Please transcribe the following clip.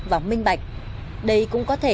và minh bạch đây cũng có thể